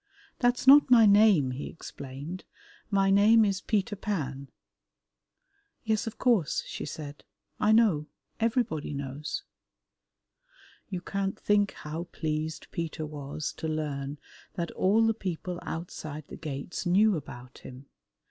"That's not my name," he explained, "my name is Peter Pan." "Yes, of course," she said, "I know, everybody knows." You can't think how pleased Peter was to learn that all the people outside the gates knew about him.